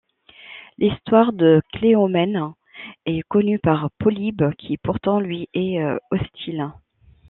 L'histoire de Cléomène est connue par Polybe qui pourtant lui est hostile.